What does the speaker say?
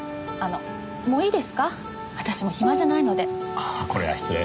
ああこれは失礼。